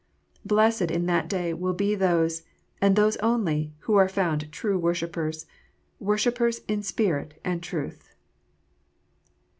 Blessed in that day will be those, and those only, who are found true worshippers, " worshippers in spirit and truth